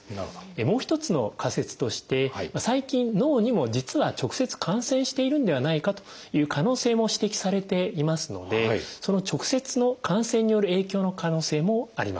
もう一つの仮説として最近脳にも実は直接感染しているんではないかという可能性も指摘されていますのでその直接の感染による影響の可能性もあります。